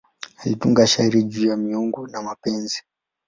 Alitunga shairi juu ya miungu na mapenzi.